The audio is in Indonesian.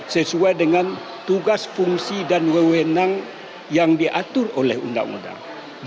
sesuai dengan tugas fungsi dan wewenang yang diatur oleh undang undang